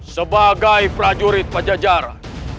sebagai prajurit pajajara